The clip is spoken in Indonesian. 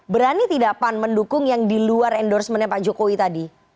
berani tidak pan mendukung yang di luar endorsementnya pak jokowi tadi